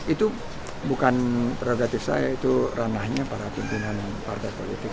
itu bukan prerogatif saya itu ranahnya para pimpinan partai politik